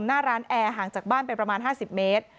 หน้าร้านแอร์ห่างจากบ้านไปประมาณ๕๐เมตร